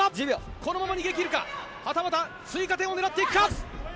このまま逃げ切るかはたまた追加点を狙うか。